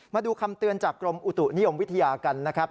มาดูคำเตือนจากกรมอุตุนิยมวิทยากันนะครับ